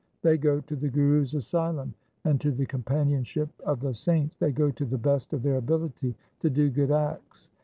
They go to the Guru's asylum and to the companionship of the saints They go to the best of their ability to do good acts.